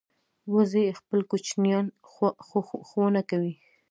وزې خپل کوچنیان ښوونه کوي